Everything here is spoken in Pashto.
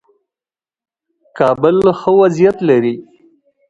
کابل ښه وضعیت لري.